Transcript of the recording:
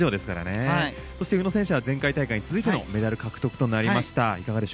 そして宇野選手は前回大会に続いてのメダル獲得となりました。